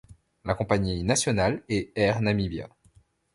La compagnie nationale est Air Namibia.